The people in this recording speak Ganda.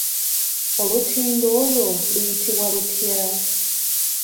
Olutindo olwo luyitibwa lutya?